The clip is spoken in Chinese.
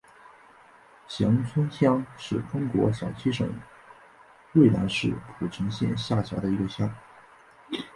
翔村乡是中国陕西省渭南市蒲城县下辖的一个乡。